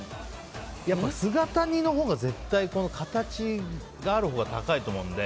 姿煮のほうが絶対形があるほうが高いと思うので。